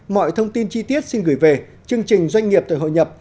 mọi thông tin chi tiết xin gửi về chương trình doanh nghiệp thời hội nhập